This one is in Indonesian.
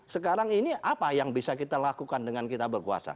sekarang ini apa yang bisa kita lakukan dengan kita berkuasa